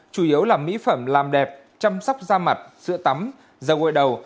chủ yếu là mỹ phẩm làm đẹp chăm sóc da mặt sữa tắm da gội đầu